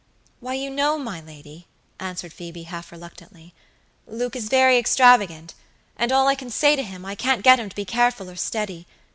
"Why, you know, my lady," answered Phoebe, half reluctantly, "Luke is very extravagant; and all I can say to him, I can't get him to be careful or steady.